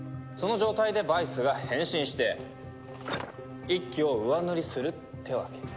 その状態でバイスが変身して一輝を上塗りするってわけ。